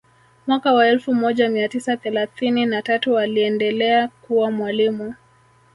Mwaka wa elfu moja mia tisa thelathinni na tatu aliendelea kuwa mwalimu